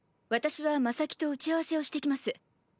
私は真咲と打ち合わせをしてきます。